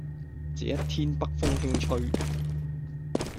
這一天，北風輕吹